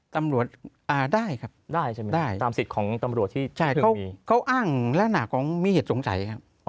ตำรวจอ่าได้ครับได้ใช่ไหมได้ตามสิทธิ์ของตำรวจที่ใช่เขาอ้างลักษณะของมีเหตุสงสัยครับ